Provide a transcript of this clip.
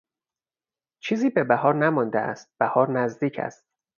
چیزی به بهار نمانده است، بهار نزدیک است.